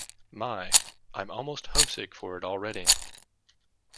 My, I'm almost homesick for it already.